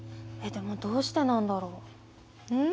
でもどうしてなんだろう？ん？